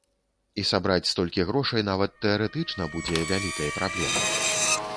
І сабраць столькі грошай нават тэарэтычна будзе вялікай праблемай.